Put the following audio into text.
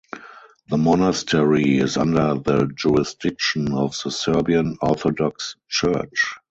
The monastery is under the jurisdiction of the Serbian Orthodox Church.